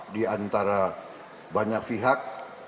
di antara banyak pihak